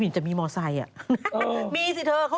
มีจะมีมอไซค์อ่ะ